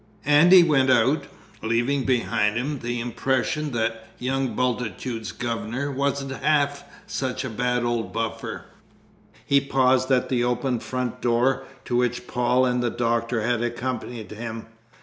And he went out, leaving behind him the impression that "young Bultitude's governor wasn't half such a bad old buffer." He paused at the open front door, to which Paul and the Doctor had accompanied him.